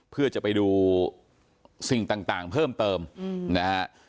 เพื่อจะไปดูสิ่งต่างเพิ่มเติมนะฮะ